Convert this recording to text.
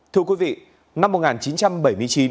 thưa quý vị năm một nghìn chín trăm bảy mươi chín